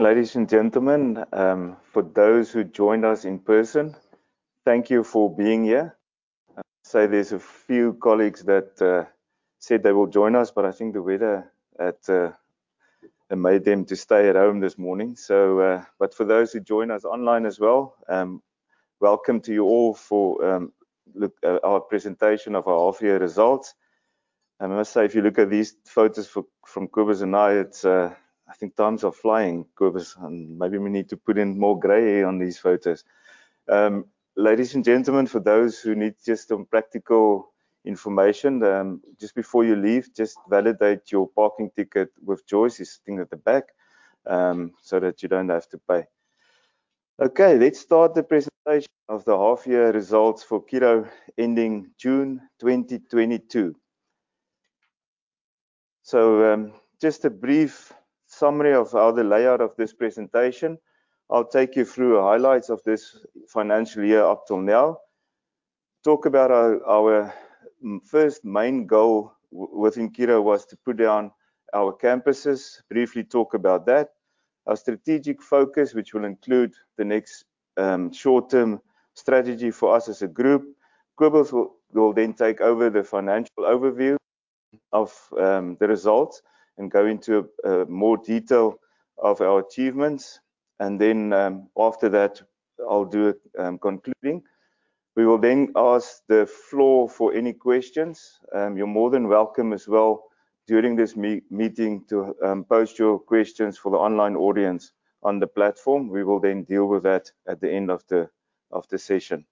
Ladies and gentlemen, for those who joined us in person, thank you for being here. I see there's a few colleagues that said they will join us, but I think the weather has made them stay at home this morning. For those who join us online as well, welcome to you all for our presentation of our half-year results. I must say, if you look at these photos from Cobus and I, it's, I think, time is flying, Cobus, and maybe we need to put in more gray on these photos. Ladies and gentlemen, for those who need just some practical information, just before you leave, just validate your parking ticket with Joyce who's sitting at the back, so that you don't have to pay. Let's start the presentation of the half-year results for Curro ending June 2022. Just a brief summary of how the layout of this presentation. I'll take you through highlights of this financial year up till now. Talk about our first main goal within Curro was to put down our campuses. Briefly talk about that. Our strategic focus, which will include the next short-term strategy for us as a group. Cobus will then take over the financial overview of the results and go into more detail of our achievements. After that, I'll do concluding. We will then ask the floor for any questions. You're more than welcome as well during this meeting to post your questions for the online audience on the platform. We will then deal with that at the end of the session.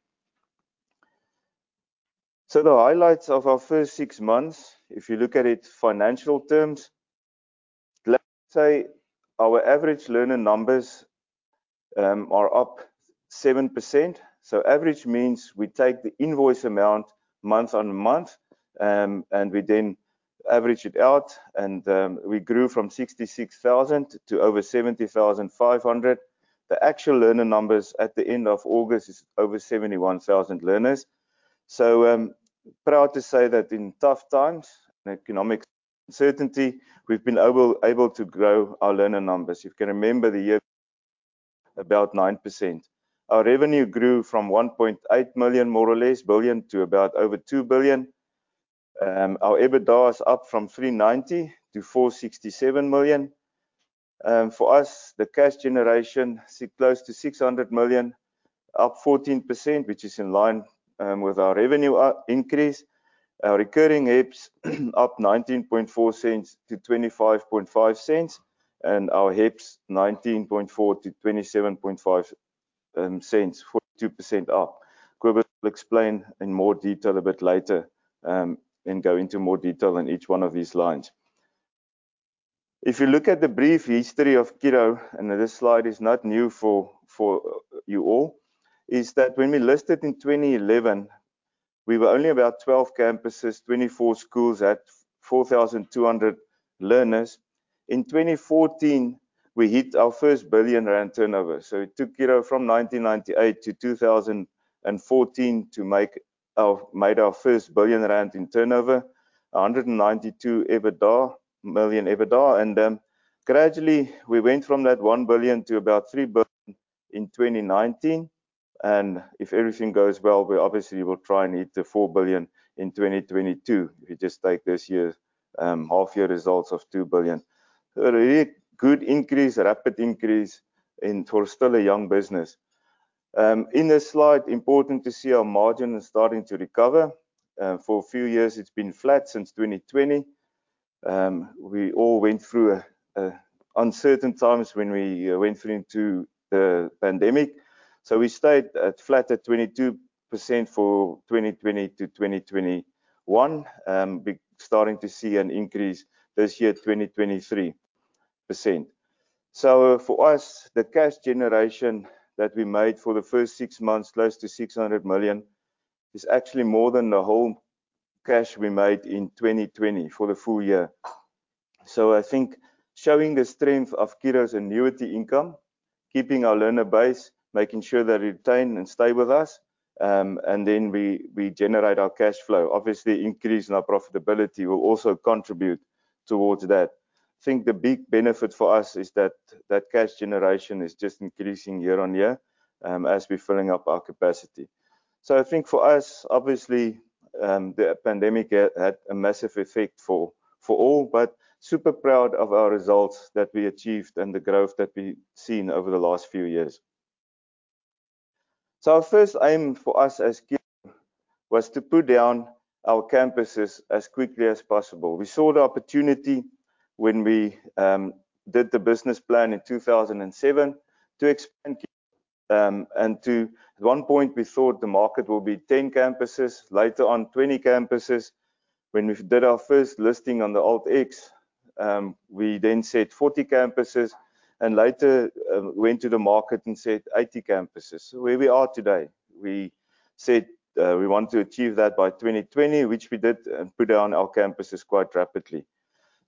The highlights of our first 6 months, if you look at it in financial terms, let's say our average learner numbers are up 7%. Average means we take the invoice amount month-on-month and we then average it out. We grew from 66,000 to over 70,500. The actual learner numbers at the end of August is over 71,000 learners. I'm proud to say that in tough times and economic uncertainty, we've been able to grow our learner numbers. You can remember the year about 9%. Our revenue grew from 1.8 billion, more or less, to about over 2 billion. Our EBITDA is up from 390 million to 467 million. For us, the cash generation close to 600 million, up 14%, which is in line with our revenue increase. Our recurring EPS up 0.194 to 0.255, and our EPS 0.194 to 0.275, 42% up. Cobus will explain in more detail a bit later, and go into more detail in each one of these lines. If you look at the brief history of Curro, and this slide is not new for you all, is that when we listed in 2011, we were only about 12 campuses, 24 schools at 4,200 learners. In 2014, we hit our first 1 billion rand turnover. It took Curro from 1998 to 2014 to made our first 1 billion rand in turnover, 192 million EBITDA. Gradually, we went from that 1 billion to about 3 billion in 2019. If everything goes well, we obviously will try and hit the 4 billion in 2022. If you just take this year's half-year results of 2 billion. A really good increase, rapid increase and we're still a young business. In this slide, important to see our margin is starting to recover. For a few years, it's been flat since 2020. We all went through uncertain times when we went through into the pandemic. We stayed flat at 22% for 2020 to 2021. We're starting to see an increase this year, 20%-23%. For us, the cash generation that we made for the first 6 months, close to 600 million, is actually more than the whole cash we made in 2020 for the full year. I think showing the strength of Curro's annuity income, keeping our learner base, making sure they retain and stay with us, and then we generate our cash flow. Increase in our profitability will also contribute towards that. I think the big benefit for us is that that cash generation is just increasing year-on-year, as we're filling up our capacity. For us, obviously, the pandemic had a massive effect for all, but super proud of our results that we achieved and the growth that we've seen over the last few years. Our first aim for us as Curro was to put down our campuses as quickly as possible. We saw the opportunity when we did the business plan in 2007 to expand Curro. At one point, we thought the market will be 10 campuses, later on, 20 campuses. When we did our first listing on the AltX, we then said 40 campuses, and later went to the market and said 80 campuses, where we are today. We said we want to achieve that by 2020, which we did, and put down our campuses quite rapidly.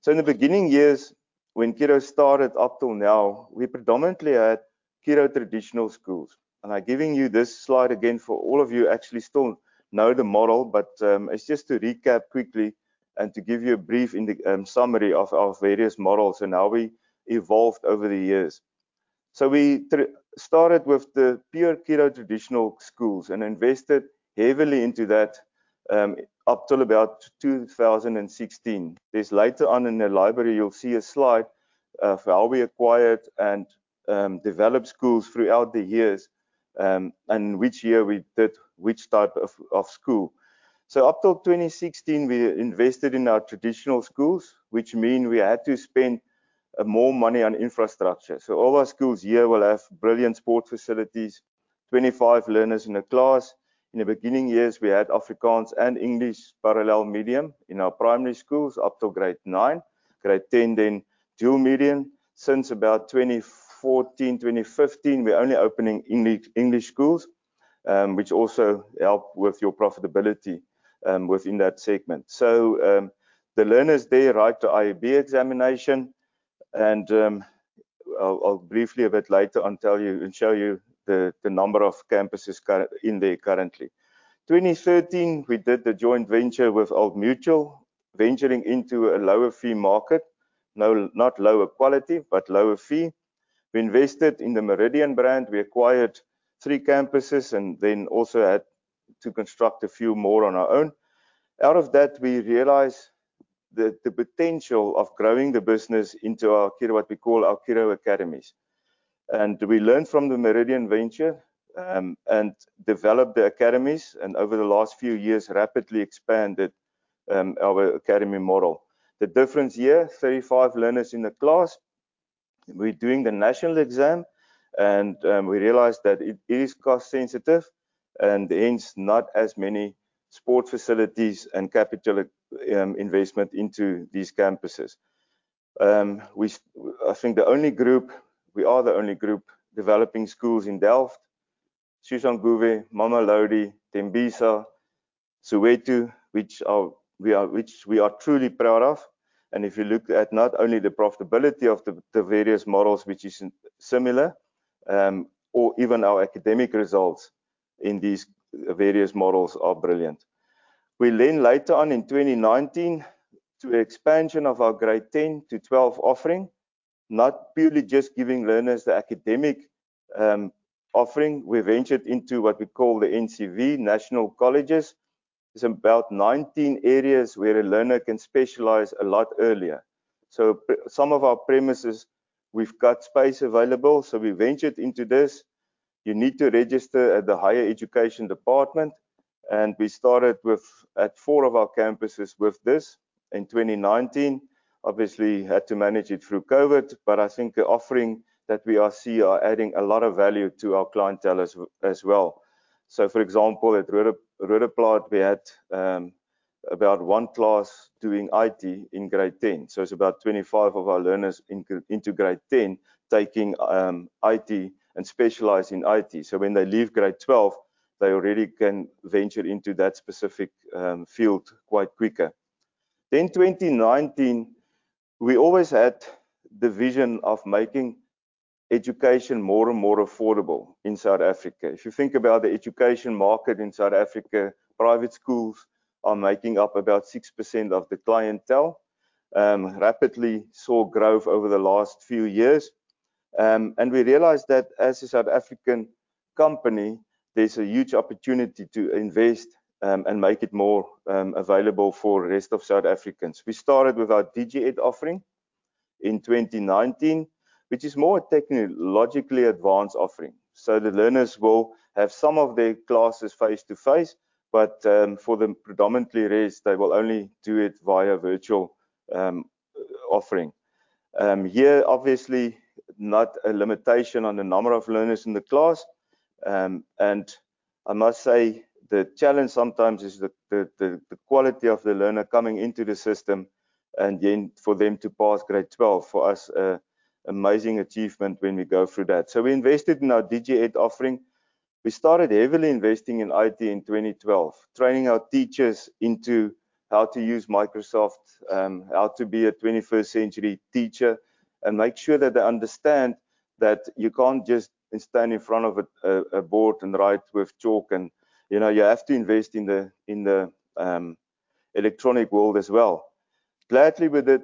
In the beginning years, when Curro started up till now, we predominantly had Curro traditional schools. I'm giving you this slide again for all of you actually still know the model, but it's just to recap quickly and to give you a brief summary of various models and how we evolved over the years. We started with the pure Curro traditional schools and invested heavily into that, up till about 2016. There's later on in the library, you'll see a slide of how we acquired and developed schools throughout the years, and which year we did which type of school. Up till 2016 we invested in our traditional schools, which mean we had to spend more money on infrastructure. All our schools here will have brilliant sports facilities, 25 learners in a class. In the beginning years, we had Afrikaans and English parallel medium in our primary schools up till grade 9. Grade 10, then dual medium. Since about 2014, 2015, we're only opening English schools, which also help with your profitability, within that segment. The learners there write the IEB examination and, I'll briefly a bit later on tell you and show you the number of campuses in there currently. 2013 we did the joint venture with Old Mutual, venturing into a lower fee market. Not lower quality, but lower fee. We invested in the Meridian brand. We acquired 3 campuses and then also had to construct a few more on our own. Out of that, we realized the potential of growing the business into our Curro academies. We learned from the Meridian venture and developed the academies, and over the last few years rapidly expanded our academy model. The difference here, 35 learners in the class. We're doing the national exam, and we realized that it is cost sensitive and hence not as many sport facilities and capital investment into these campuses. I think the only group, we are the only group developing schools in Delft, Soshanguve, Mamelodi, Tembisa, Soweto, which we are truly proud of. If you look at not only the profitability of the various models, which is similar, or even our academic results in these various models are brilliant. We then later on in 2019 do expansion of our grade 10 to 12 offering, not purely just giving learners the academic offering. We ventured into what we call the NCV, National Certificate Vocational. It's about 19 areas where a learner can specialize a lot earlier. Some of our premises we've got space available, so we ventured into this. You need to register at the Department of Higher Education and Training, and we started with at 4 of our campuses with this in 2019. Obviously had to manage it through COVID, but I think the offering that we are seeing are adding a lot of value to our clientele as well. For example, at Roodepoort we had about 1 class doing IT in grade 10, so it's about 25 of our learners into grade 10 taking IT and specialize in IT. When they leave grade 12, they already can venture into that specific field quite quicker. 2019, we always had the vision of making education more and more affordable in South Africa. If you think about the education market in South Africa, private schools are making up about 6% of the clientele. Rapidly saw growth over the last few years. We realized that as a South African company, there's a huge opportunity to invest, and make it more, available for rest of South Africans. We started with our DigiEd offering in 2019, which is more technologically advanced offering. The learners will have some of their classes face-to-face, but, for the predominantly rest, they will only do it via virtual, offering. Here obviously not a limitation on the number of learners in the class. I must say the challenge sometimes is the quality of the learner coming into the system and then for them to pass Grade 12. For us, an amazing achievement when we go through that. We invested in our DigiEd offering. We started heavily investing in IT in 2012, training our teachers in how to use Microsoft, how to be a 21st-century teacher and make sure that they understand that you can't just stand in front of a board and write with chalk and, you know, you have to invest in the electronic world as well. And with it,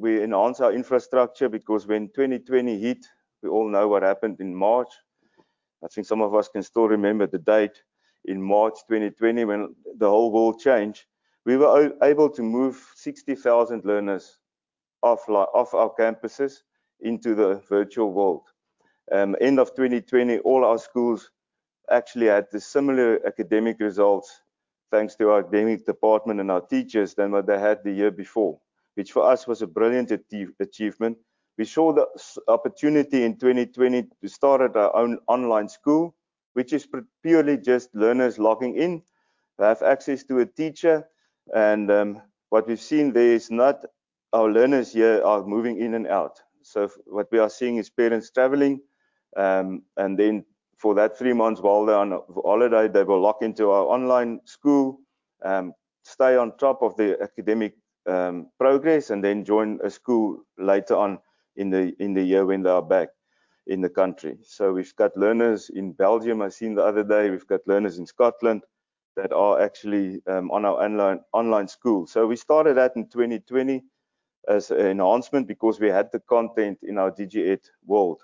we enhanced our infrastructure because when 2020 hit, we all know what happened in March. I think some of us can still remember the date in March 2020 when the whole world changed. We were able to move 60,000 learners off our campuses into the virtual world. End of 2020, all our schools actually had similar academic results, thanks to our academic department and our teachers, than what they had the year before, which for us was a brilliant achievement. We saw the opportunity in 2020 to start our own online school, which is purely just learners logging in. They have access to a teacher and, what we've seen there is our learners here are moving in and out. What we are seeing is parents traveling, and then for that 3 months while they're on holiday, they will log into our online school, stay on top of the academic progress and then join a school later on in the year when they are back in the country. We've got learners in Belgium. I've seen the other day, we've got learners in Scotland that are actually on our online school. We started that in 2020 as an enhancement because we had the content in our DigiEd world.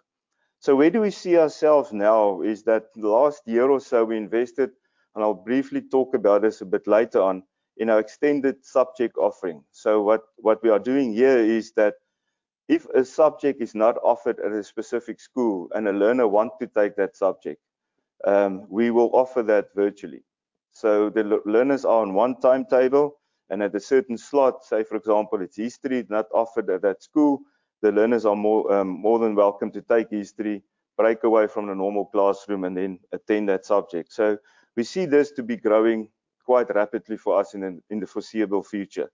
Where do we see ourselves now is that the last year or so we invested, and I'll briefly talk about this a bit later on, in our extended subject offering. What we are doing here is that if a subject is not offered at a specific school and a learner want to take that subject, we will offer that virtually. The learners are on 1 timetable and at a certain slot, say for example, it's history not offered at that school, the learners are more than welcome to take history, break away from the normal classroom and then attend that subject. We see this to be growing quite rapidly for us in the foreseeable future.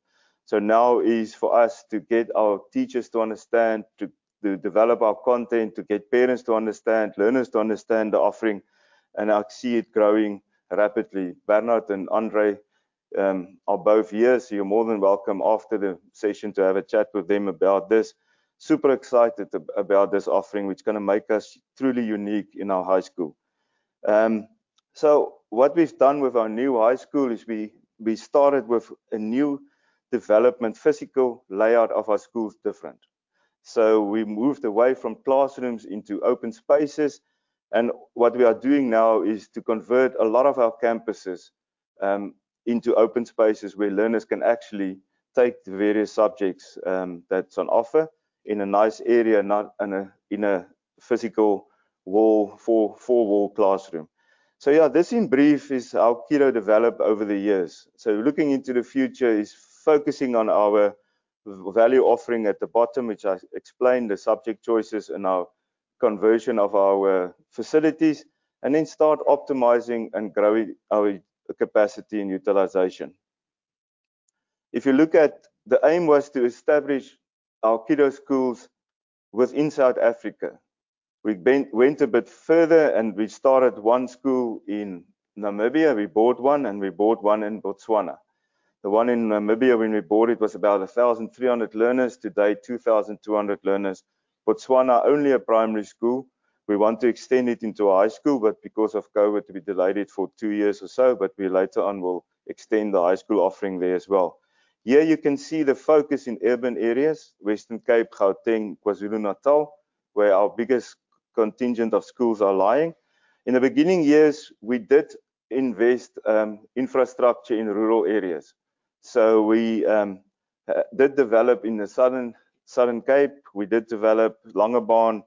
Now is for us to get our teachers to understand, to develop our content, to get parents to understand, learners to understand the offering, and I see it growing rapidly. Bernard and Andre are both here, so you're more than welcome after the session to have a chat with them about this. Super excited about this offering, which is going to make us truly unique in our high school. What we've done with our new high school is we started with a new development physical layout of our schools different. We moved away from classrooms into open spaces, and what we are doing now is to convert a lot of our campuses into open spaces where learners can actually take the various subjects that's on offer in a nice area, not in a physical 4 wall classroom. This in brief is how Curro developed over the years. Looking into the future is focusing on our value offering at the bottom, which I explained the subject choices and our conversion of our facilities, and then start optimizing and growing our capacity and utilization. If you look at the aim was to establish our Curro schools within South Africa. We went a bit further, and we started 1 school in Namibia. We bought 1, and we bought 1 in Botswana. The 1 in Namibia, when we bought it, was about 1,300 learners. Today, 2,200 learners. Botswana, only a primary school. We want to extend it into a high school, but because of COVID, we delayed it for 2 years or so. We later on will extend the high school offering there as well. Here you can see the focus in urban areas, Western Cape, Gauteng, KwaZulu-Natal, where our biggest contingent of schools are lying. In the beginning years, we did invest infrastructure in rural areas. We did develop in the Southern Cape. We did develop Langebaan,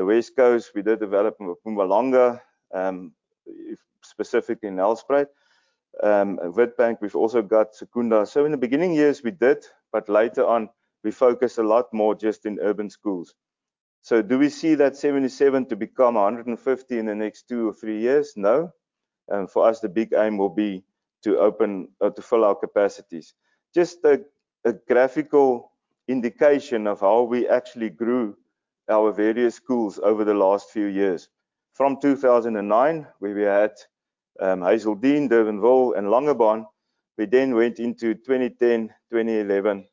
the West Coast. We did develop Mpumalanga, in specifically Nelspruit. Witbank, we've also got Secunda. In the beginning years we did, but later on we focused a lot more just in urban schools. Do we see that 77 to become 150 in the next 2 or 3 years? No. For us, the big aim will be to open or to fill our capacities. Just a graphical indication of how we actually grew our various schools over the last few years. From 2009, where we had Hazeldean, Durbanville, and Langebaan. We then went into 2010, 2011.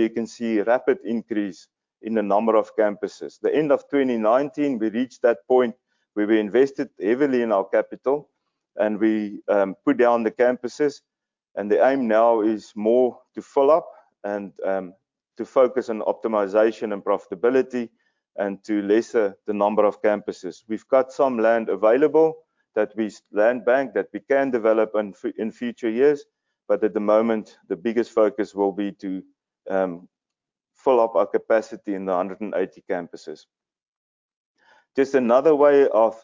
You can see rapid increase in the number of campuses. The end of 2019, we reached that point where we invested heavily in our CapEx, and we put down the campuses, and the aim now is more to fill up and to focus on optimization and profitability and to lessen the number of campuses. We've got some land available that we land bank that we can develop in future years, but at the moment, the biggest focus will be to fill up our capacity in the 180 campuses. Just another way of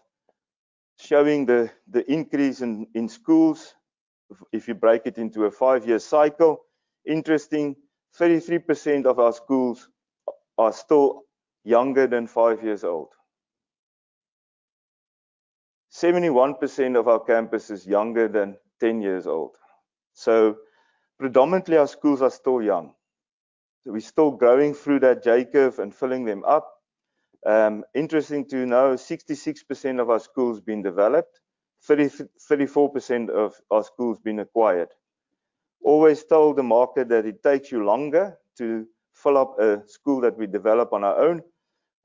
showing the increase in schools, if you break it into a 5 year cycle. Interesting, 33% of our schools are still younger than 5 years old. 71% of our campus is younger than 10 years old. Predominantly, our schools are still young. We're still growing through that J curve and filling them up. Interesting to know 66% of our schools have been developed. 34% of our schools have been acquired. Always told the market that it takes you longer to fill up a school that we develop on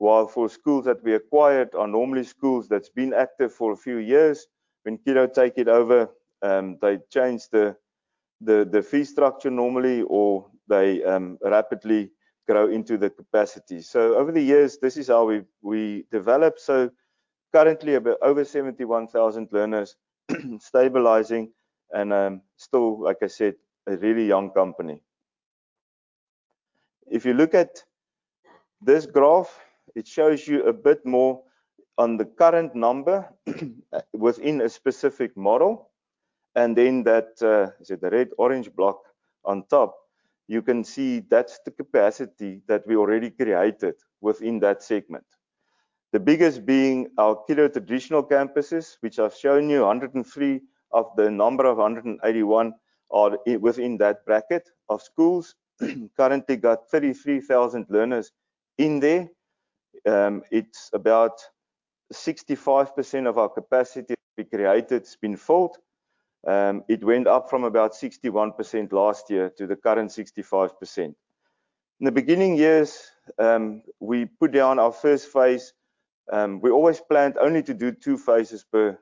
our own, while schools that we acquired are normally schools that's been active for a few years. When Curro take it over, they change the fee structure normally, or they rapidly grow into the capacity. Over the years, this is how we developed. Currently over 71,000 learners stabilizing and still, like I said, a really young company. If you look at this graph, it shows you a bit more on the current number within a specific model. Then that is the red orange block on top, you can see that's the capacity that we already created within that segment. The biggest being our Curro traditional campuses, which I've shown you 103 of the number of 181 are within that bracket of schools. Currently got 33,000 learners in there. It's about 65% of our capacity we created has been filled. It went up from about 61% last year to the current 65%. In the beginning years, we put down our first phase. We always planned only to do 2 phases per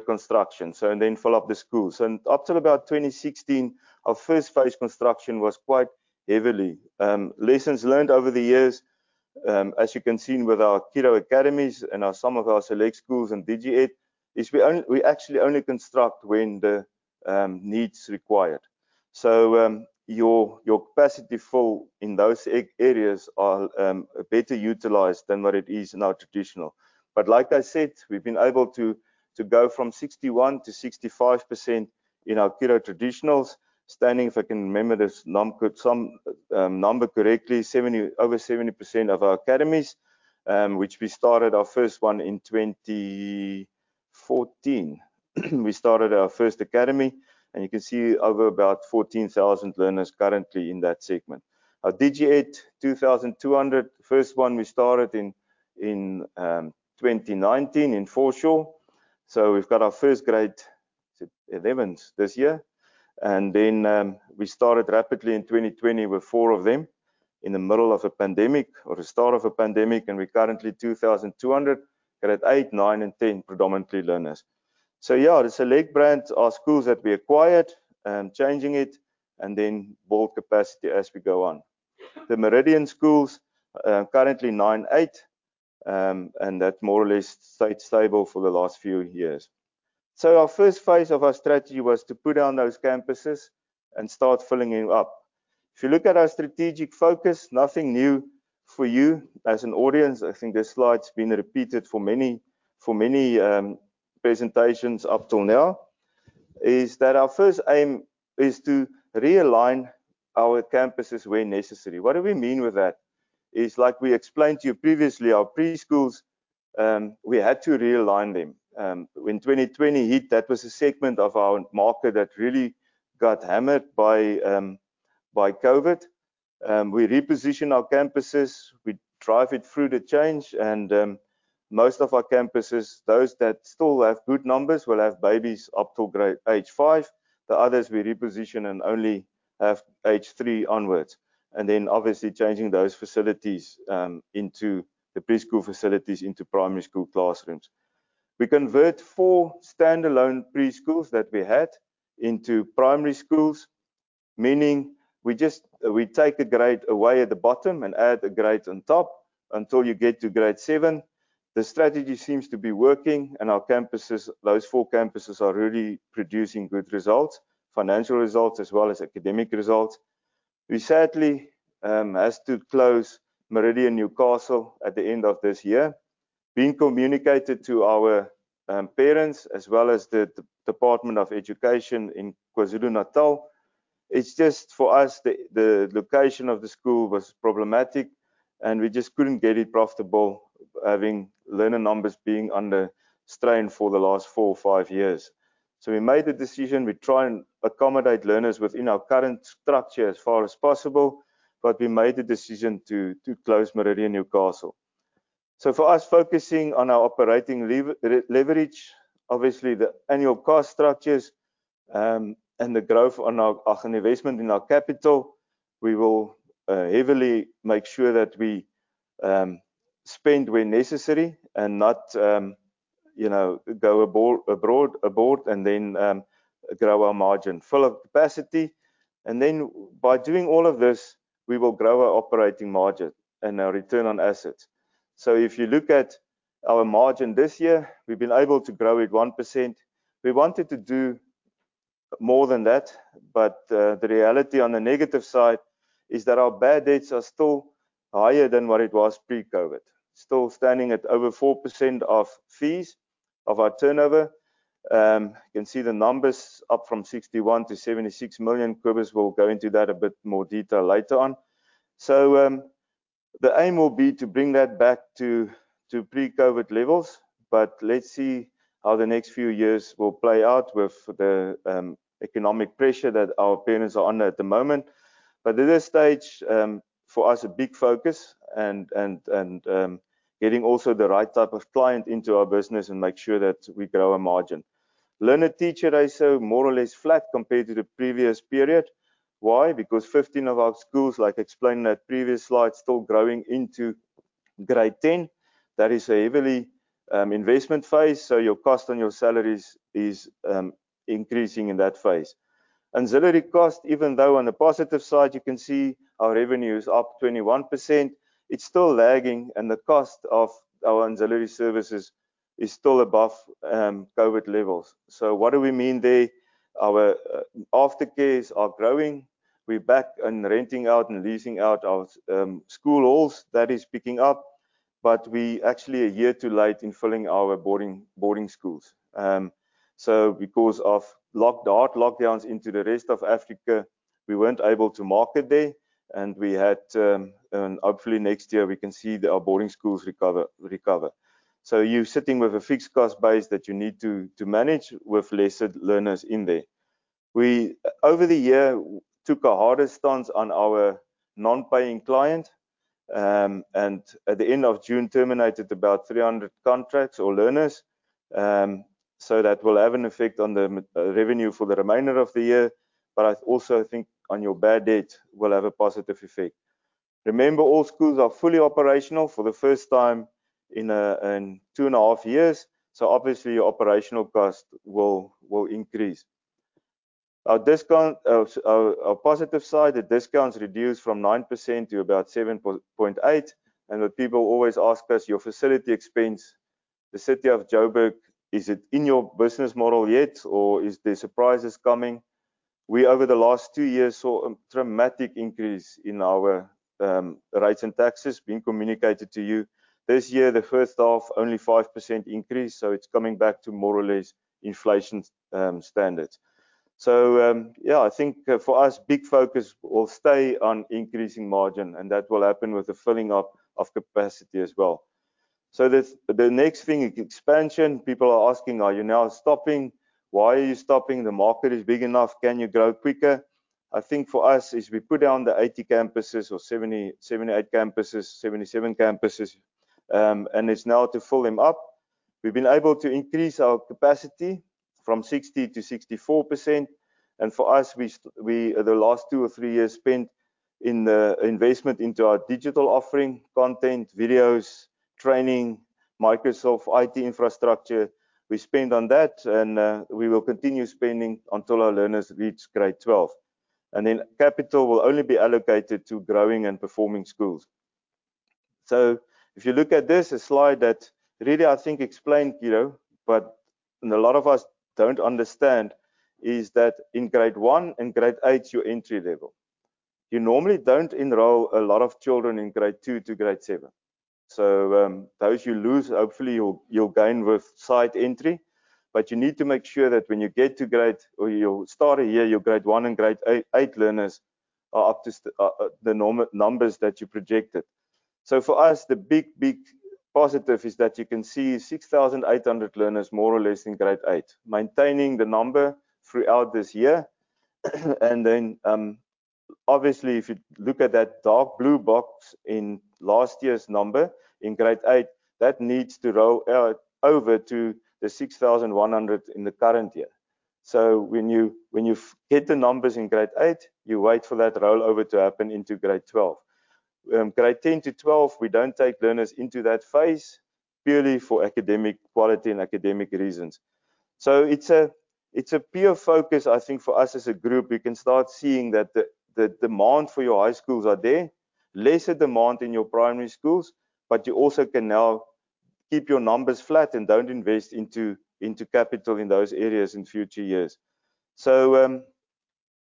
construction, and then fill up the schools. Up till about 2016, our first phase construction was quite heavily. Lessons learned over the years, as you can see with our Curro academies and some of our Select schools and DigiEd, is we actually only construct when the need is required. Your capacity fill in those areas are better utilized than what it is in our traditional schools. Like I said, we've been able to go from 61%-65% in our Curro traditional schools. If I can remember this number correctly, over 70% of our academies, which we started our first one in 2014. You can see over about 14,000 learners currently in that segment. Our DigiEd, 2,200. First one we started in 2019 in Foreshore. We've got our first Grade 11s this year. We started rapidly in 2020 with 4 of them in the middle of a pandemic or the start of a pandemic, and we're currently 2,200. Grade 8, 9, and 10 predominantly learners. Yeah, the Select brands are schools that we acquired, changing it and then build capacity as we go on. The Meridian Schools are currently 98, and that more or less stayed stable for the last few years. Our first phase of our strategy was to put down those campuses and start filling them up. If you look at our strategic focus, nothing new for you as an audience. I think this slide's been repeated for many presentations up till now. That is our first aim is to realign our campuses where necessary. What do we mean with that? It's like we explained to you previously, our preschools, we had to realign them. When 2020 hit, that was a segment of our market that really got hammered by COVID. We reposition our campuses, we drive it through the change, and, most of our campuses, those that still have good numbers, will have babies up to age 5. The others we reposition and only have age 3 onwards. Obviously changing those facilities into the preschool facilities into primary school classrooms. We convert 4 standalone preschools that we had into primary schools, meaning we take a grade away at the bottom and add a grade on top until you get to grade 7. The strategy seems to be working, and our campuses, those 4 campuses, are really producing good results, financial results as well as academic results. We sadly has to close Meridian Newcastle at the end of this year. Being communicated to our parents as well as the Department of Education in KwaZulu-Natal. It's just for us, the location of the school was problematic, and we just couldn't get it profitable having learner numbers being under strain for the last 4 or 5 years. We made the decision, we try and accommodate learners within our current structure as far as possible, but we made the decision to close Meridian Newcastle. For us, focusing on our operating leverage, obviously the annual cost structures, and the growth on our investment in our capital, we will heavily make sure that we spend where necessary and not, you know, go overboard and then grow our margin. Fill up capacity, and then by doing all of this, we will grow our operating margin and our return on assets. If you look at our margin this year, we've been able to grow it 1%. We wanted to do more than that, but the reality on the negative side is that our bad debts are still higher than what it was pre-COVID. Still standing at over 4% of fees of our turnover. You can see the numbers up from 61 million to 76 million Cobus. We'll go into that a bit more detail later on. The aim will be to bring that back to pre-COVID levels, but let's see how the next few years will play out with the economic pressure that our parents are under at the moment. At this stage, for us a big focus and getting also the right type of client into our business and make sure that we grow our margin. Learner-teacher ratio more or less flat compared to the previous period. Why? Because 15 of our schools, like explained in that previous slide, still growing into grade ten. That is a heavy investment phase, so your cost on your salaries is increasing in that phase. Ancillary cost, even though on the positive side you can see our revenue is up 21%, it's still lagging and the cost of our ancillary services is still above COVID levels. What do we mean there? Our aftercares are growing. We're back and renting out and leasing out our school halls. That is picking up. We're actually a year too late in filling our boarding schools. Because of hard lockdowns in the rest of Africa, we weren't able to market there. Hopefully next year we can see that our boarding schools recover. You're sitting with a fixed cost base that you need to manage with lesser learners in there. We over the year took a harder stance on our non-paying client and at the end of June terminated about 300 contracts or learners. That will have an effect on the revenue for the remainder of the year. I also think on your bad debt will have a positive effect. Remember, all schools are fully operational for the first time in 2 and a half years, so obviously your operational cost will increase. Our positive side, the discounts reduced from 9% to about 7.8%. The people always ask us your facility expense, the City of Johannesburg, is it in your business model yet or is there surprises coming? We over the last 2 years saw a dramatic increase in our rates and taxes being communicated to you. This year, the first half, only 5% increase, so it's coming back to more or less inflation standards. Yeah, I think for us, big focus will stay on increasing margin, and that will happen with the filling up of capacity as well. The next thing, expansion. People are asking, "Are you now stopping? Why are you stopping? The market is big enough. Can you grow quicker?" I think for us is we put down the 80 campuses or 70, 78 campuses, 77 campuses, and it's now to fill them up. We've been able to increase our capacity from 60%-64%. For us, we the last 2 or 3 years spent in the investment into our digital offering, content, videos, training, Microsoft IT infrastructure. We spend on that, and we will continue spending until our learners reach grade 12. Then capital will only be allocated to growing and performing schools. If you look at this slide that really I think explained, you know, and a lot of us don't understand is that in grade 1 and grade 8, your entry level. You normally don't enroll a lot of children in grade 2 to grade 7. Those you lose, hopefully you'll gain with side entry. But you need to make sure that when you get to grade or you start a year, your grade 1 and grade 8 learners are up to the numbers that you projected. For us, the big, big positive is that you can see 6,800 learners more or less in Grade 8, maintaining the number throughout this year. Obviously if you look at that dark blue box in last year's number in Grade 8, that needs to roll over to the 6,100 in the current year. When you hit the numbers in Grade 8, you wait for that rollover to happen into Grade 12. Grade 10 to 12, we don't take learners into that phase purely for academic quality and academic reasons. It's a pure focus, I think for us as a group. You can start seeing that the demand for your high schools are there, lesser demand in your primary schools, but you also can now keep your numbers flat and don't invest into capital in those areas in future years.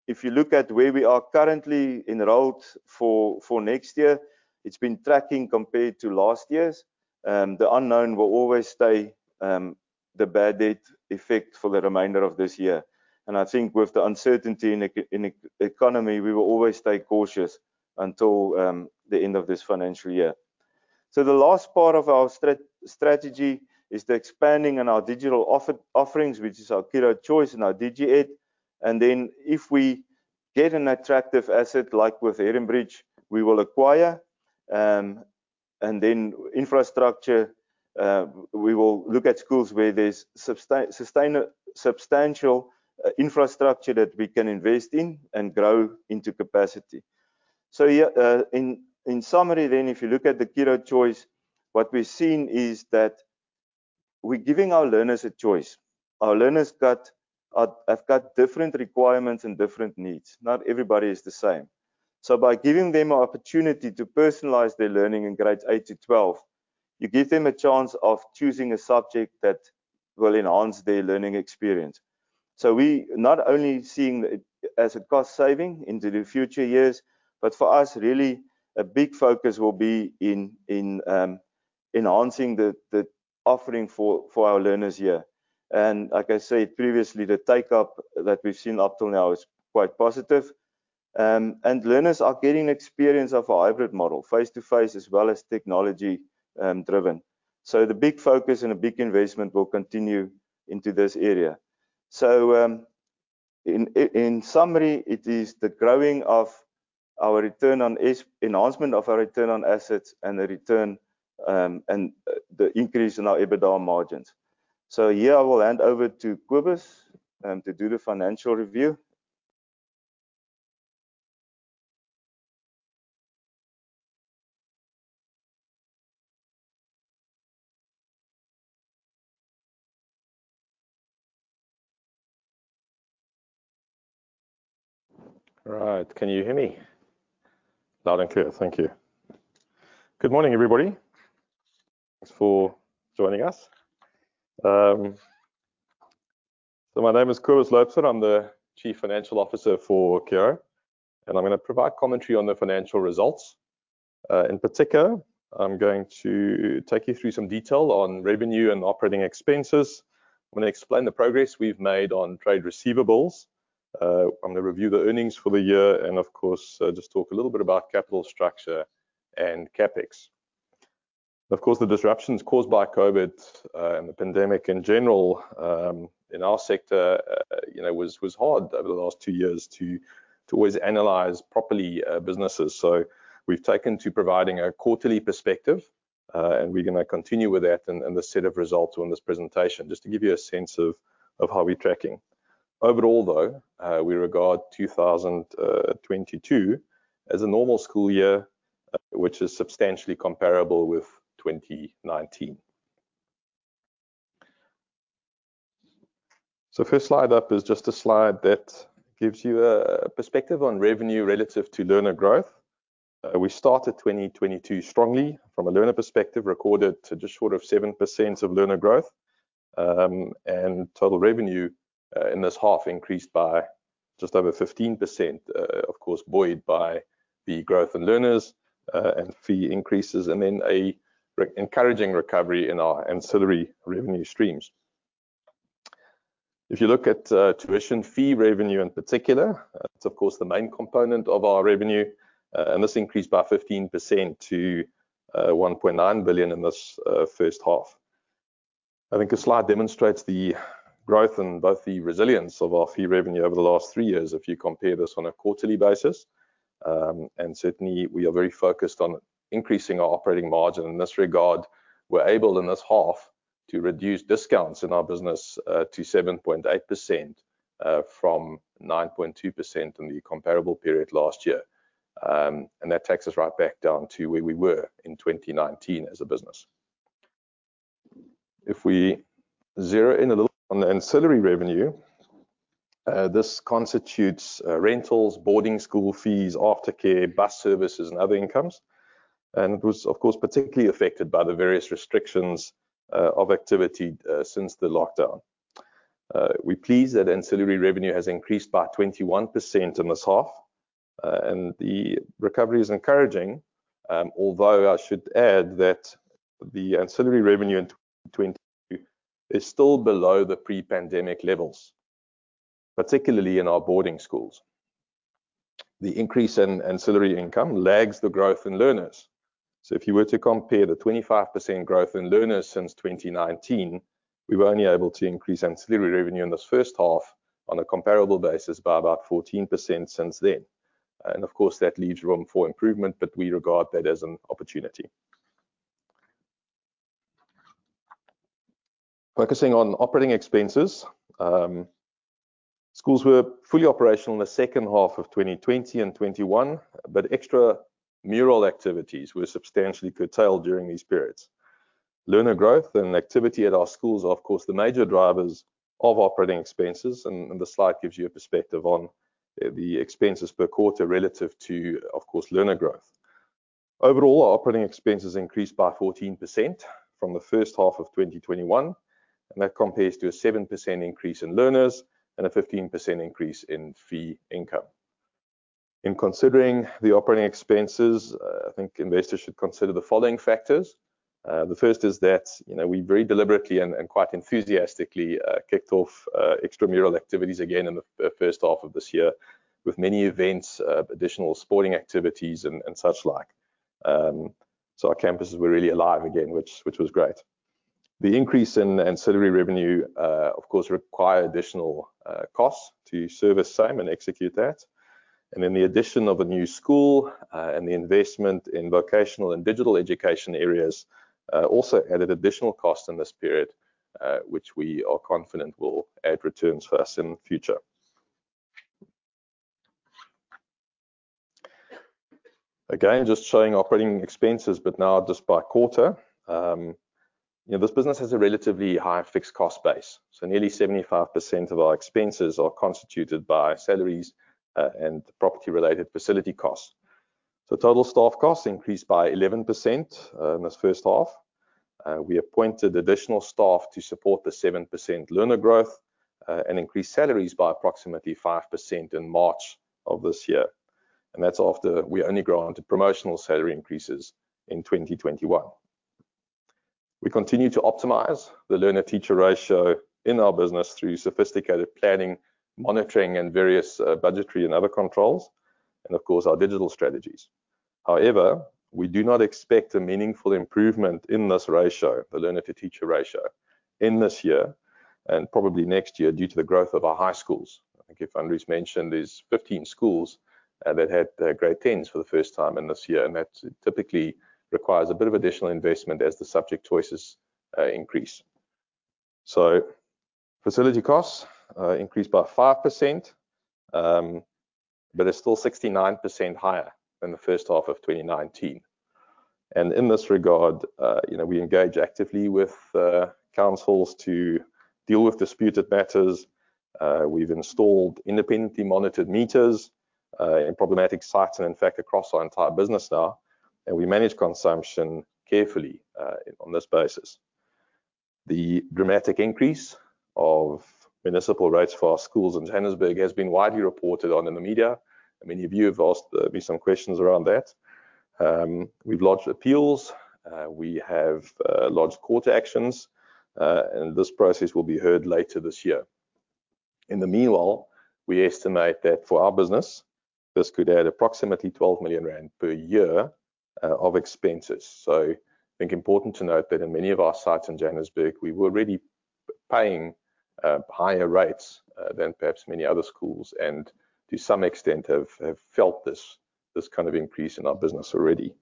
If you look at where we are currently enrolled for next year, it's been tracking compared to last year's. The unknown will always stay, the bad debt effect for the remainder of this year. I think with the uncertainty in the economy, we will always stay cautious until the end of this financial year. The last part of our strategy is the expanding in our digital offerings, which is our Curro Choice and our DigiEd. If we get an attractive asset like with HeronBridge, we will acquire. We will look at schools where there's substantial infrastructure that we can invest in and grow into capacity. In summary, if you look at the Curro Choice, what we're seeing is that we're giving our learners a choice. Our learners have got different requirements and different needs. Not everybody is the same. By giving them an opportunity to personalize their learning in grades 8 to 12, you give them a chance of choosing a subject that will enhance their learning experience. We not only seeing it as a cost saving into the future years, but for us really a big focus will be in enhancing the offering for our learners here. Like I said previously, the take-up that we've seen up till now is quite positive. Learners are getting experience of a hybrid model, face-to-face as well as technology driven. The big focus and a big investment will continue into this area. In summary, it is the enhancement of our return on assets and the increase in our EBITDA margins. Here I will hand over to Cobus to do the financial review. All right. Can you hear me? Loud and clear. Thank you. Good morning, everybody. Thanks for joining us. So my name is Cobus Loubser. I'm the Chief Financial Officer for Curro, and I'm gonna provide commentary on the financial results. In particular, I'm going to take you through some detail on revenue and operating expenses. I'm gonna explain the progress we've made on trade receivables. I'm gonna review the earnings for the year and of course, just talk a little bit about capital structure and CapEx. Of course, the disruptions caused by COVID and the pandemic in general, in our sector, you know, was hard over the last 2 years to always analyze properly, businesses. We've taken to providing a quarterly perspective, and we're gonna continue with that and the set of results on this presentation, just to give you a sense of how we're tracking. Overall, though, we regard 2022 as a normal school year, which is substantially comparable with 2019. First slide up is just a slide that gives you a perspective on revenue relative to learner growth. We started 2022 strongly from a learner perspective, recorded just short of 7% learner growth. Total revenue in this half increased by just over 15%, of course, buoyed by the growth in learners and fee increases, and then an encouraging recovery in our ancillary revenue streams. If you look at tuition fee revenue in particular, that's of course the main component of our revenue, and this increased by 15% to 1.9 billion in this first half. I think this slide demonstrates the growth and both the resilience of our fee revenue over the last 3 years if you compare this on a quarterly basis. Certainly we are very focused on increasing our operating margin. In this regard, we're able in this half to reduce discounts in our business to 7.8%, from 9.2% in the comparable period last year. That takes us right back down to where we were in 2019 as a business. If we zero in a little on the ancillary revenue, this constitutes rentals, boarding school fees, aftercare, bus services, and other incomes, and was of course, particularly affected by the various restrictions of activity since the lockdown. We're pleased that ancillary revenue has increased by 21% in this half, and the recovery is encouraging, although I should add that the ancillary revenue in 2022 is still below the pre-pandemic levels, particularly in our boarding schools. The increase in ancillary income lags the growth in learners. If you were to compare the 25% growth in learners since 2019, we were only able to increase ancillary revenue in this first half on a comparable basis by about 14% since then. Of course, that leaves room for improvement, but we regard that as an opportunity. Focusing on operating expenses, schools were fully operational in the second half of 2020 and 2021, but extramural activities were substantially curtailed during these periods. Learner growth and activity at our schools are of course the major drivers of operating expenses, and the slide gives you a perspective on the expenses per quarter relative to of course, learner growth. Overall, our operating expenses increased by 14% from the first half of 2021, and that compares to a 7% increase in learners and a 15% increase in fee income. In considering the operating expenses, I think investors should consider the following factors. The first is that, you know, we very deliberately and quite enthusiastically kicked off extramural activities again in the first half of this year with many events, additional sporting activities and such like. Our campuses were really alive again, which was great. The increase in ancillary revenue, of course, requires additional costs to service same and execute that. The addition of a new school and the investment in vocational and digital education areas also added additional costs in this period, which we are confident will add returns for us in the future. Again, just showing operating expenses, but now just by quarter. You know, this business has a relatively high fixed cost base, so nearly 75% of our expenses are constituted by salaries and property-related facility costs. Total staff costs increased by 11% in this first half. We appointed additional staff to support the 7% learner growth and increased salaries by approximately 5% in March of this year. That's after we only granted promotional salary increases in 2021. We continue to optimize the learner-teacher ratio in our business through sophisticated planning, monitoring, and various budgetary and other controls, and of course, our digital strategies. However, we do not expect a meaningful improvement in this ratio, the learner to teacher ratio, in this year and probably next year due to the growth of our high schools. I think if Andries mentioned there's 15 schools that had grade 10s for the first time in this year, and that typically requires a bit of additional investment as the subject choices increase. Facility costs increased by 5%, but they're still 69% higher than the first half of 2019. In this regard, you know, we engage actively with councils to deal with disputed matters. We've installed independently monitored meters in problematic sites and in fact across our entire business now, and we manage consumption carefully on this basis. The dramatic increase of municipal rates for our schools in Johannesburg has been widely reported on in the media. Many of you have asked me some questions around that. We've lodged appeals, we have lodged court actions, and this process will be heard later this year. In the meanwhile, we estimate that for our business, this could add approximately 12 million rand per year of expenses. I think important to note that in many of our sites in Johannesburg, we were already paying higher rates than perhaps many other schools and to some extent have felt this kind of increase in our business already.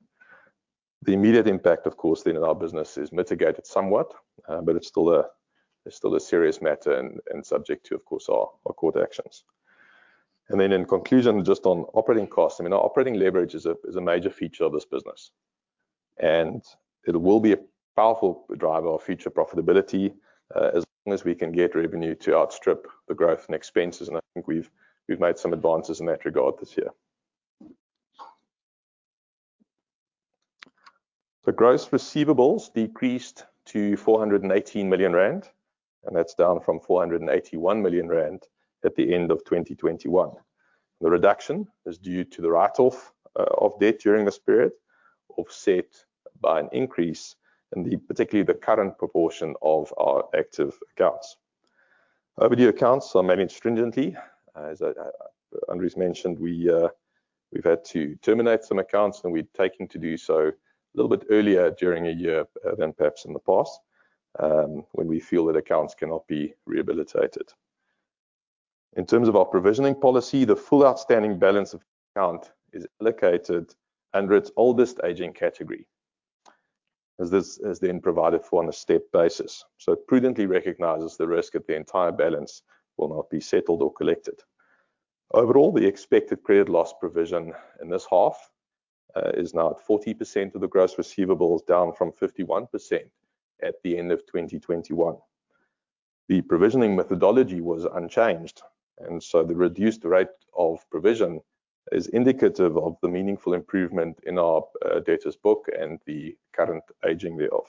The immediate impact, of course, then in our business is mitigated somewhat, but it's still a serious matter and subject to, of course, our court actions. Then in conclusion, just on operating costs. I mean, our operating leverage is a major feature of this business, and it will be a powerful driver of future profitability, as long as we can get revenue to outstrip the growth and expenses. I think we've made some advances in that regard this year. The gross receivables decreased to 418 million rand, and that's down from 481 million rand at the end of 2021. The reduction is due to the write-off of debt during this period, offset by an increase in, particularly, the current proportion of our active accounts. Overdue accounts are managed stringently. As Andries mentioned, we've had to terminate some accounts, and we're taking to do so a little bit earlier during a year than perhaps in the past, when we feel that accounts cannot be rehabilitated. In terms of our provisioning policy, the full outstanding balance of account is allocated under its oldest aging category, as this is then provided for on a step basis. It prudently recognizes the risk that the entire balance will not be settled or collected. Overall, the expected credit loss provision in this half is now at 40% of the gross receivables, down from 51% at the end of 2021. The provisioning methodology was unchanged, and so the reduced rate of provision is indicative of the meaningful improvement in our debtors book and the current aging thereof.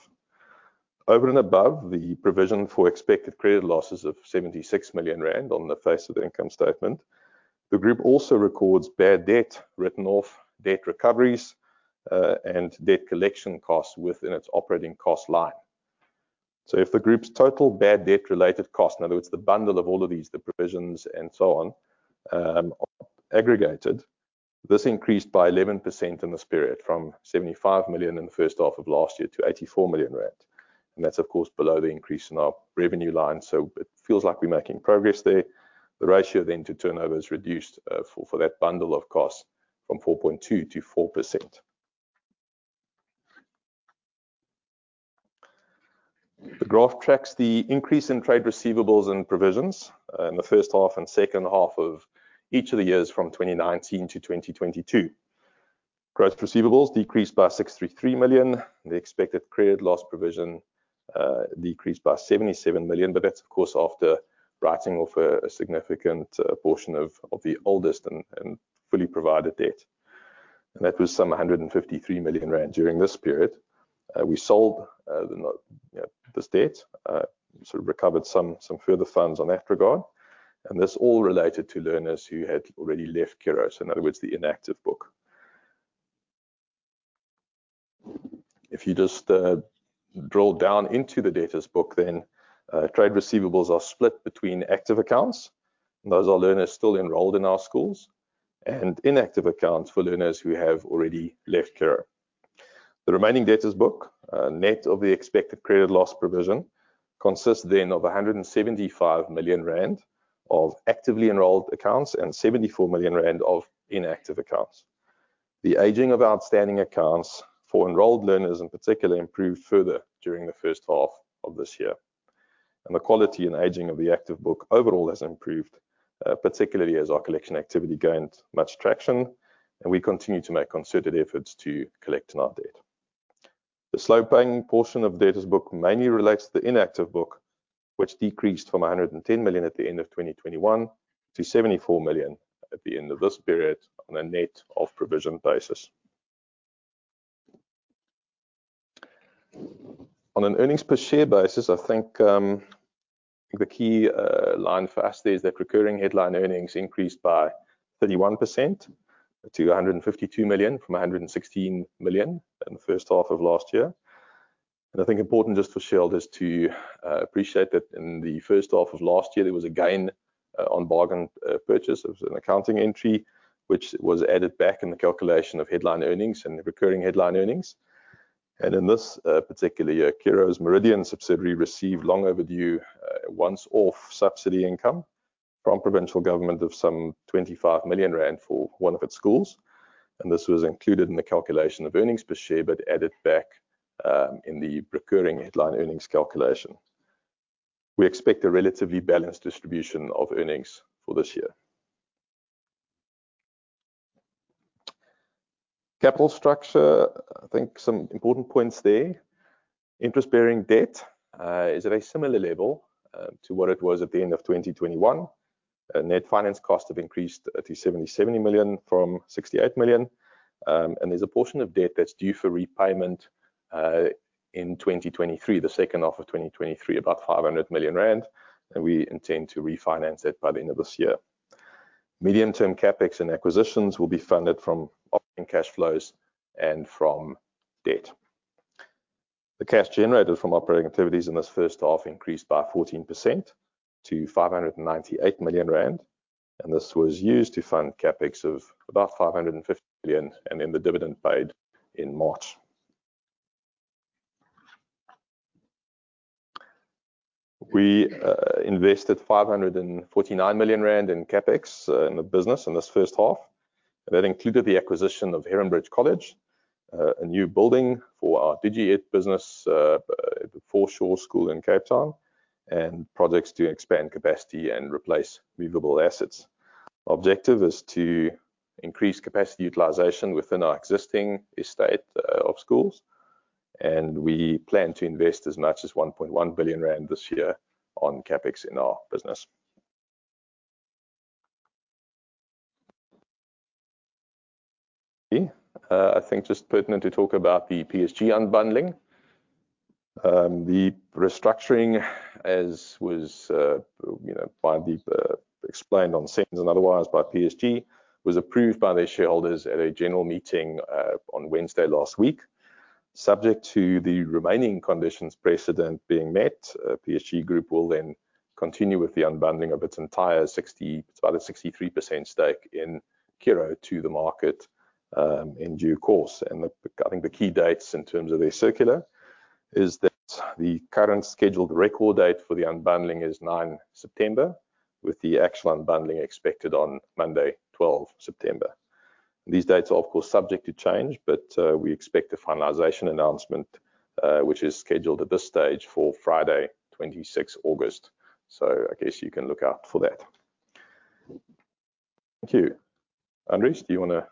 Over and above the provision for expected credit losses of 76 million rand on the face of the income statement, the group also records bad debt, written off debt recoveries, and debt collection costs within its operating cost line. If the group's total bad debt-related cost, in other words, the bundle of all of these, the provisions and so on, are aggregated, this increased by 11% in this period from 75 million in the first half of last year to 84 million rand. That's of course below the increase in our revenue line. It feels like we're making progress there. The ratio then to turnover is reduced for that bundle of costs from 4.2% to 4%. The graph tracks the increase in trade receivables and provisions in the first half and second half of each of the years from 2019 to 2022. Gross receivables decreased by 633 million. The expected credit loss provision decreased by 77 million, but that's of course after writing off a significant portion of the oldest and fully provided debt. That was some 153 million rand during this period. We sold this debt, so recovered some further funds in that regard. This all related to learners who had already left Curro, so in other words, the inactive book. If you just, drill down into the debtors book, then, trade receivables are split between active accounts, and those are learners still enrolled in our schools, and inactive accounts for learners who have already left Curro. The remaining debtors book, net of the expected credit loss provision, consists then of 175 million rand of actively enrolled accounts and 74 million rand of inactive accounts. The aging of outstanding accounts for enrolled learners in particular improved further during the first half of this year. The quality and aging of the active book overall has improved, particularly as our collection activity gained much traction, and we continue to make concerted efforts to collect on our debt. The slow paying portion of debtors book mainly relates to the inactive book, which decreased from 110 million at the end of 2021 to 74 million at the end of this period on a net of provision basis. On an earnings per share basis, I think, the key line for us there is that recurring headline earnings increased by 31% to 152 million from 116 million in the first half of last year. I think important just for shareholders to appreciate that in the first half of last year, there was a gain on bargain purchase. It was an accounting entry, which was added back in the calculation of headline earnings and the recurring headline earnings. In this particular year, Curro's Meridian subsidiary received long overdue once-off subsidy income from provincial government of some 25 million rand for one of its schools. This was included in the calculation of earnings per share, but added back in the recurring headline earnings calculation. We expect a relatively balanced distribution of earnings for this year. Capital structure, I think some important points there. Interest-bearing debt is at a similar level to what it was at the end of 2021. Net finance costs have increased to 70 million from 68 million. There's a portion of debt that's due for repayment in 2023, the second half of 2023, about 500 million rand, and we intend to refinance it by the end of this year. Medium-term CapEx and acquisitions will be funded from operating cash flows and from debt. The cash generated from operating activities in this first half increased by 14% to 598 million rand, and this was used to fund CapEx of about 550 million, and then the dividend paid in March. We invested 549 million rand in CapEx in the business in this first half. That included the acquisition of HeronBridge College, a new building for our DigiEd business, the Curro Foreshore in Cape Town, and projects to expand capacity and replace movable assets. Objective is to increase capacity utilization within our existing estate of schools, and we plan to invest as much as 1.1 billion rand this year on CapEx in our business. Here, I think just pertinent to talk about the PSG unbundling. The restructuring as was, you know, Bideep explained in SENS and otherwise by PSG was approved by their shareholders at a general meeting on Wednesday last week. Subject to the remaining conditions precedent being met, PSG Group will then continue with the unbundling of its entire 63% stake in Curro to the market in due course. I think the key dates in terms of their circular is that the current scheduled record date for the unbundling is 9th September, with the actual unbundling expected on Monday, 12th September. These dates are, of course, subject to change, but we expect a finalization announcement, which is scheduled at this stage for Friday, 26th August. I guess you can look out for that. Thank you. Andries, do you wanna?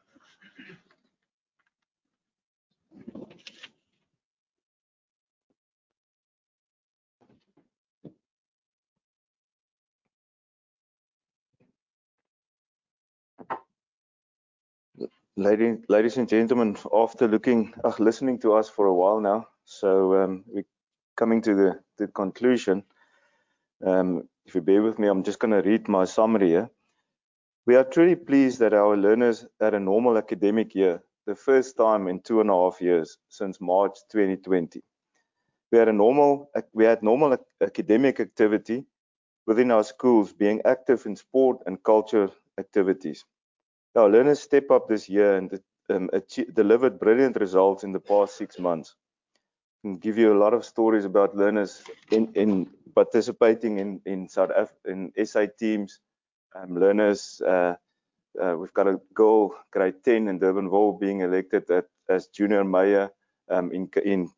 Ladies and gentlemen, listening to us for a while now, we're coming to the conclusion. If you bear with me, I'm just gonna read my summary here. We are truly pleased that our learners had a normal academic year, the first time in 2 and a half years since March 2020. We had normal academic activity within our schools, being active in sport and culture activities. Our learners stepped up this year and delivered brilliant results in the past 6 months. I can give you a lot of stories about learners participating in SA teams. Learners, we've got a girl, Grade 10 in Durbanville being elected as junior mayor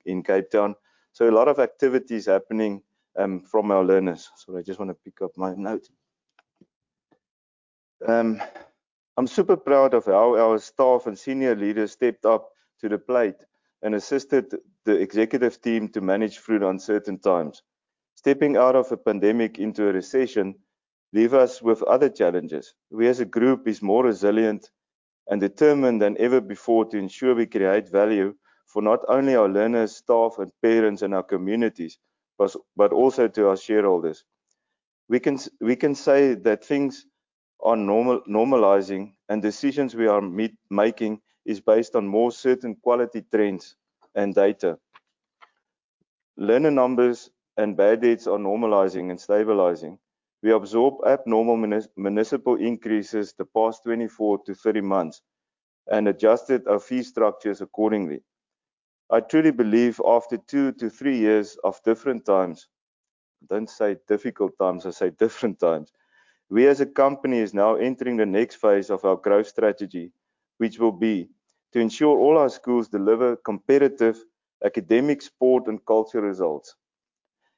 in Cape Town. A lot of activities happening from our learners. Sorry, I just wanna pick up my note. I'm super proud of how our staff and senior leaders stepped up to the plate and assisted the executive team to manage through the uncertain times. Stepping out of a pandemic into a recession leave us with other challenges. We as a group is more resilient and determined than ever before to ensure we create value for not only our learners, staff, and parents in our communities, but also to our shareholders. We can say that things are normalizing, and decisions we are making is based on more certain quality trends and data. Learner numbers and bad debts are normalizing and stabilizing. We absorb abnormal municipal increases the past 24-30 months and adjusted our fee structures accordingly. I truly believe after 2-3 years of different times. I don't say difficult times, I say different times. We as a company is now entering the next phase of our growth strategy, which will be to ensure all our schools deliver competitive academic, sport, and culture results.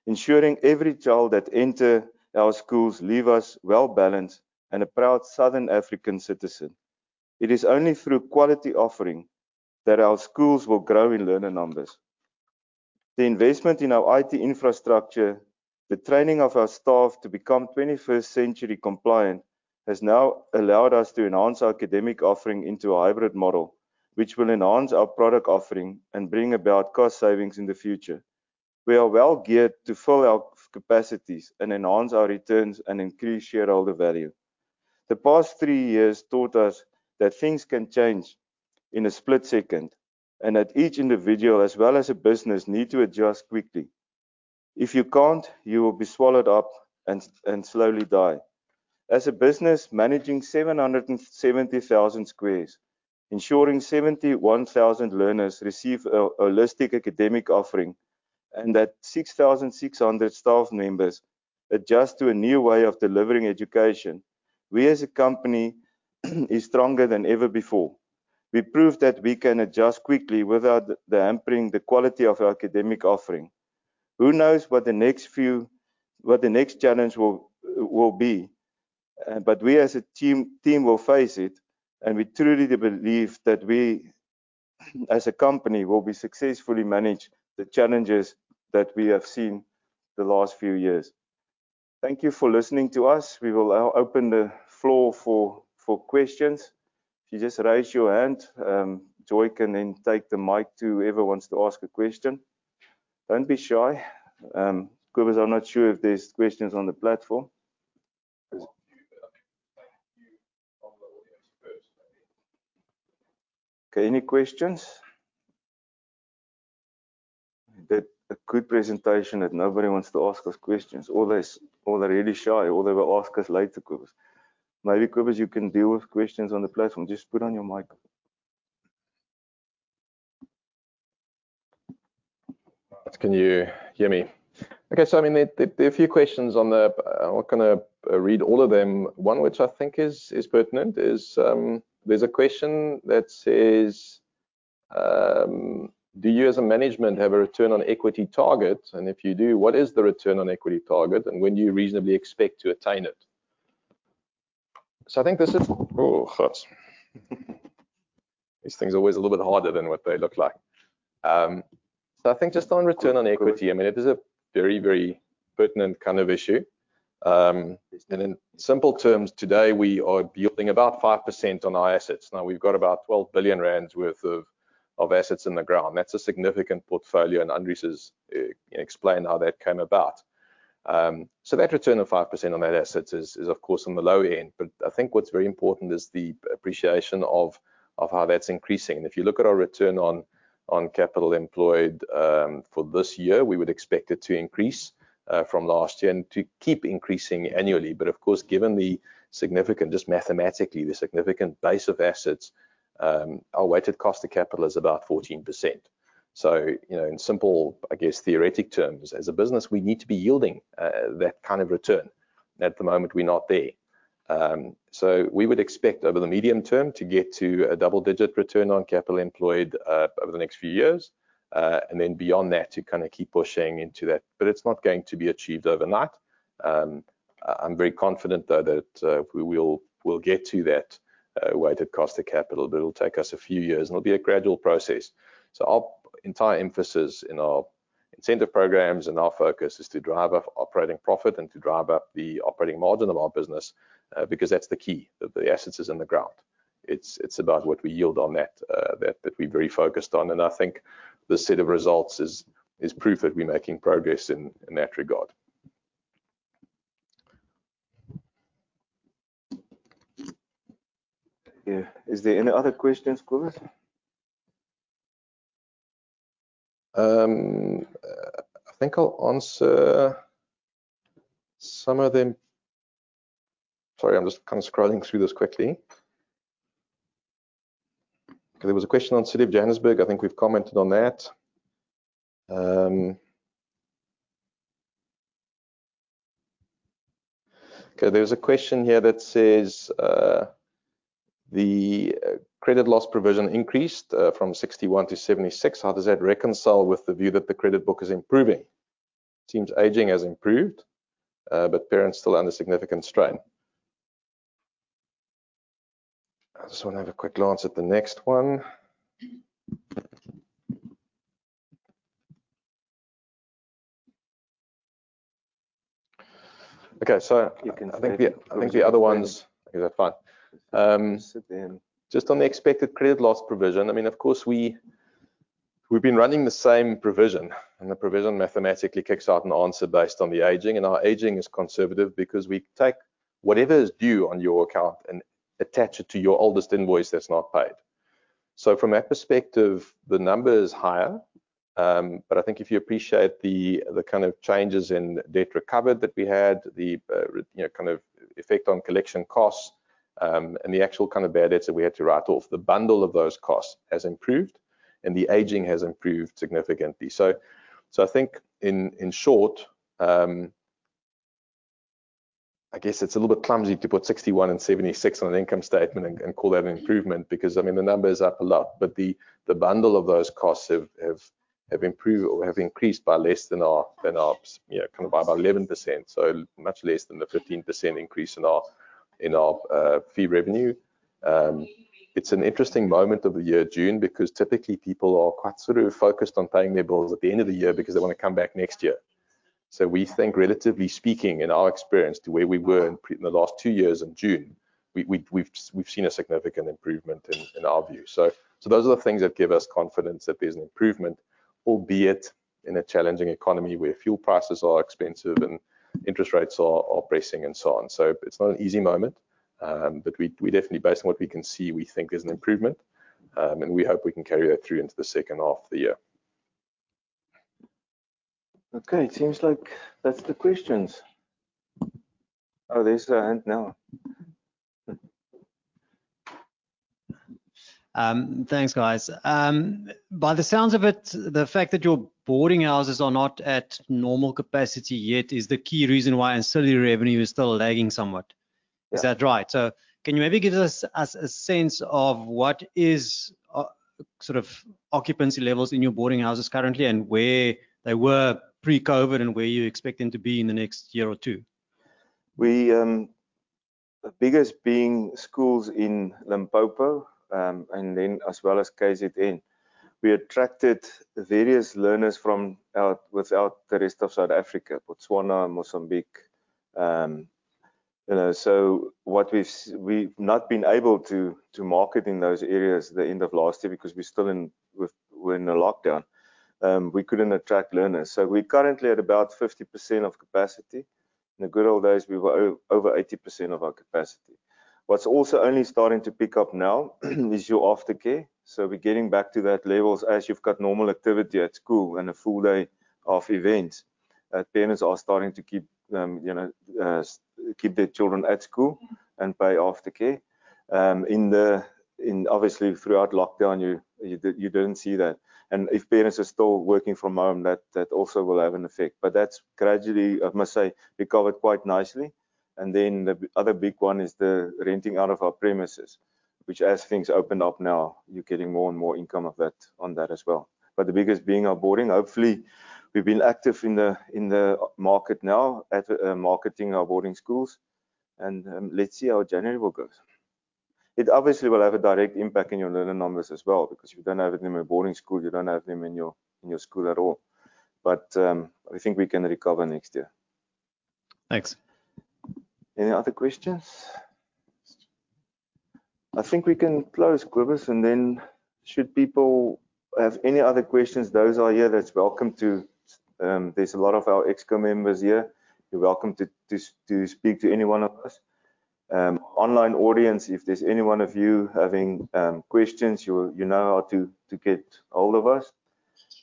Ensuring every child that enter our schools leave us well-balanced and a proud Southern African citizen. It is only through quality offering that our schools will grow in learner numbers. The investment in our IT infrastructure, the training of our staff to become twenty-first century compliant, has now allowed us to enhance our academic offering into a hybrid model, which will enhance our product offering and bring about cost savings in the future. We are well geared to fill our capacities and enhance our returns and increase shareholder value. The past 3 years taught us that things can change in a split second, and that each individual, as well as a business, need to adjust quickly. If you can't, you will be swallowed up and slowly die. As a business managing 770,000 squares, ensuring 71,000 learners receive a holistic academic offering, and that 6,600 staff members adjust to a new way of delivering education, we as a company is stronger than ever before. We proved that we can adjust quickly without hampering the quality of our academic offering. Who knows what the next challenge will be, but we as a team will face it, and we truly do believe that we as a company will be successfully manage the challenges that we have seen the last few years. Thank you for listening to us. We will now open the floor for questions. If you just raise your hand, Joy can then take the mic to whoever wants to ask a question. Don't be shy. Cobus, I'm not sure if there's questions on the platform. Okay, any questions? Did a good presentation that nobody wants to ask us questions, or they're really shy, or they will ask us later, Cobus. Maybe, Cobus, you can deal with questions on the platform. Just put on your mic. Can you hear me? Okay. I mean, there are a few questions on the. I'm not gonna read all of them. One which I think is pertinent is, there's a question that says, "Do you as a management have a return on equity target? And if you do, what is the return on equity target, and when do you reasonably expect to attain it?" I think this is. Oh, guts. These things are always a little bit harder than what they look like. I think just on return on equity, I mean, it is a very, very pertinent kind of issue. And in simple terms, today, we are yielding about 5% on our assets. Now, we've got about 12 billion rand worth of assets in the ground. That's a significant portfolio, and Andries has explained how that came about. That return of 5% on that asset is of course on the low end. I think what's very important is the appreciation of how that's increasing. If you look at our return on capital employed for this year, we would expect it to increase from last year and to keep increasing annually. Of course, given the significant, just mathematically, the significant base of assets, our weighted cost of capital is about 14%. You know, in simple, I guess, theoretic terms, as a business, we need to be yielding that kind of return. At the moment, we're not there. We would expect over the medium term to get to a double-digit return on capital employed over the next few years, and then beyond that to kinda keep pushing into that. It's not going to be achieved overnight. I'm very confident, though, that we'll get to that weighted average cost of capital, but it'll take us a few years, and it'll be a gradual process. Our entire emphasis in our incentive programs and our focus is to drive up operating profit and to drive up the operating margin of our business because that's the key. The assets is in the ground. It's about what we yield on that that we're very focused on. I think this set of results is proof that we're making progress in that regard. Yeah. Is there any other questions, Cobus? I think I'll answer some of them. Sorry, I'm just kind of scrolling through this quickly. Okay, there was a question on City of Johannesburg. I think we've commented on that. Okay, there's a question here that says, "The credit loss provision increased from 61-76. How does that reconcile with the view that the credit book is improving? It seems aging has improved, but parents still under significant strain." I just wanna have a quick glance at the next one. Okay. You can- I think the other ones. Yeah, fine. Sit in. Just on the expected credit loss provision, I mean, of course we've been running the same provision, and the provision mathematically kicks out an answer based on the aging. Our aging is conservative because we take whatever is due on your account and attach it to your oldest invoice that's not paid. From that perspective, the number is higher. I think if you appreciate the kind of changes in debt recovered that we had, you know, kind of effect on collection costs, and the actual kind of bad debts that we had to write off, the bundle of those costs has improved, and the aging has improved significantly. I think in short, I guess it's a little bit clumsy to put 61 and 76 on an income statement and call that an improvement because, I mean, the number is up a lot. But the bundle of those costs have improved or have increased by less than our you know kind of by about 11%, so much less than the 15% increase in our fee revenue. It's an interesting moment of the year, June, because typically people are quite sort of focused on paying their bills at the end of the year because they wanna come back next year. We think, relatively speaking, in our experience to where we were in the last 2 years in June, we've seen a significant improvement in our view. Those are the things that give us confidence that there's an improvement, albeit in a challenging economy where fuel prices are expensive and interest rates are pressing and so on. It's not an easy moment, but we definitely, based on what we can see, we think there's an improvement. We hope we can carry that through into the second half of the year. Okay. It seems like that's the questions. Oh, there's a hand now. Thanks, guys. By the sounds of it, the fact that your boarding houses are not at normal capacity yet is the key reason why ancillary revenue is still lagging somewhat. Yeah. Is that right? Can you maybe give us a sense of what sort of occupancy levels in your boarding houses currently and where they were pre-COVID and where you expect them to be in the next year or 2? We the biggest being schools in Limpopo and then as well as KZN. We attracted various learners from throughout the rest of South Africa, Botswana, Mozambique. You know, we've not been able to market in those areas at the end of last year because we're still in a lockdown. We couldn't attract learners. We're currently at about 50% of capacity. In the good old days, we were over 80% of our capacity. What's also only starting to pick up now is our aftercare. We're getting back to those levels as you've got normal activity at school and a full day of events. Parents are starting to keep you know their children at school and pay aftercare. Obviously throughout lockdown, you didn't see that. If parents are still working from home, that also will have an effect. That's gradually, I must say, recovered quite nicely. Then the other big one is the renting out of our premises, which as things open up now, you're getting more and more income of that, on that as well. The biggest being our boarding. Hopefully, we've been active in the market now at marketing our boarding schools, and let's see how January will go. It obviously will have a direct impact in your learner numbers as well, because if you don't have them in a boarding school, you don't have them in your school at all. I think we can recover next year. Thanks. Any other questions? I think we can close, Cobus, and then should people have any other questions, those are here. There's a lot of our ex-com members here. You're welcome to speak to any one of us. Online audience, if there's any one of you having questions, you know how to get hold of us.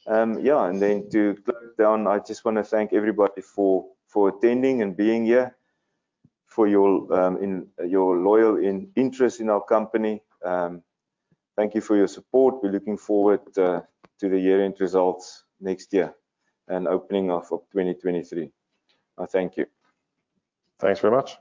To close down, I just wanna thank everybody for attending and being here, for your loyal interest in our company. Thank you for your support. We're looking forward to the year-end results next year and opening of 2023. I thank you. Thanks very much.